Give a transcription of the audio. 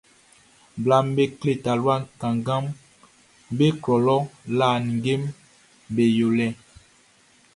Blaʼm be kle talua kannganʼm be klɔ lɔ lã ninngeʼm be yolɛ.